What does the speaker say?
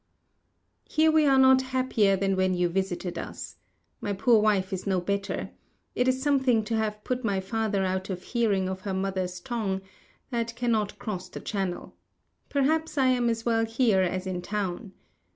Here we are not happier than when you visited us. My poor wife is no better. It is something to have put my father out of hearing of her mother's tongue: that cannot cross the Channel. Perhaps I am as well here as in town.